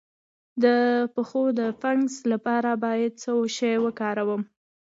د پښو د فنګس لپاره باید څه شی وکاروم؟